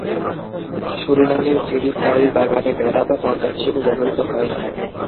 সুরিনামের cherry প্রায়ই বাগানে বেড়া বা পর্দা হিসেবে ব্যবহৃত হয়।